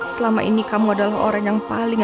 selama ini kamu adalah orang yang paling